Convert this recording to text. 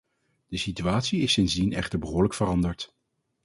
De situatie is sindsdien echter behoorlijk veranderd.